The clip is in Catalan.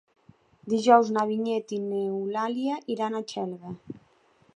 Dijous na Vinyet i n'Eulàlia iran a Xelva.